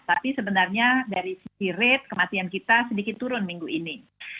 tapi sebenarnya dari sisi rate kematian kita sedikit turun minggu ini